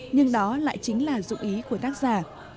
nhưng đó lại chính là dụng ý của tác giả